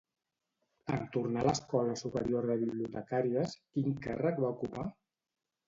En tornar a l'Escola Superior de Bibliotecàries, quin càrrec va ocupar?